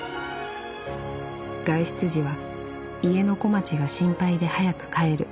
「外出時は家の小町が心配で早く帰る」。